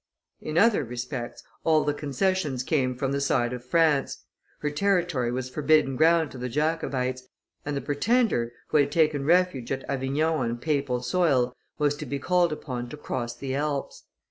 in other respects all the concessions came from the side of France; her territory was forbidden ground to the Jacobites, and the Pretender, who had taken refuge at Avignon on papal soil, was to be called upon to cross the Alps.